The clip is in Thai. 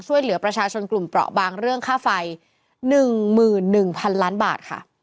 ช่วยเหลือประชาชนกลุ่มเปราะบางเรื่องค่าไฟ๑๑๐๐๐ล้านบาทค่ะ